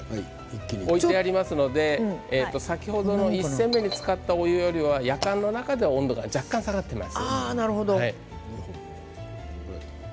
置いてありますので先ほど１煎目を使ったお湯よりは、やかんの中で若干温度が下がっています。